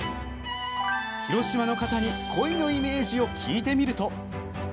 広島の方にコイのイメージを聞いてみると。